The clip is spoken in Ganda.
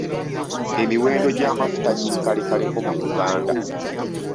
Emiwendo gy'amafuta giri kalekaleko mu Uganda.